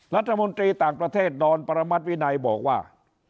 รัฐมนตรีต่างประเทศดอนประมัติวินัยบอกว่า